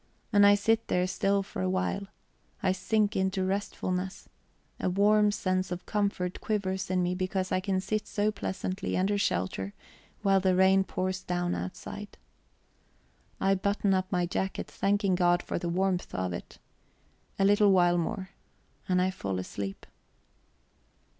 And I sit there still for a while, I sink into restfulness; a warm sense of comfort quivers in me because I can sit so pleasantly under shelter while the rain pours down outside. I button up my jacket, thanking God for the warmth of it. A little while more. And I fall asleep.